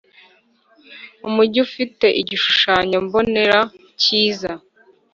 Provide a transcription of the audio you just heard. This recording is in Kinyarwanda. umujyi ufite igishushanyo mbonera cyiza